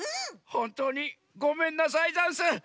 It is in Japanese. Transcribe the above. ほんとうにごめんなさいざんす。